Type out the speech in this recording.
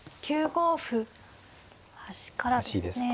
端からですね。